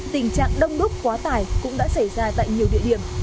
tình trạng đông đúc quá tải cũng đã xảy ra tại nhiều địa điểm